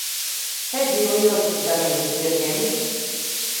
Šeit bija lieliskas ganības zirgiem.